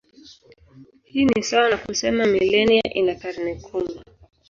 Hii ni sawa na kusema milenia ina karne kumi.